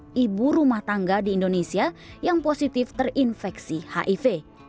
sekitar lima belas dua puluh enam ibu rumah tangga di indonesia yang positif terinfeksi hiv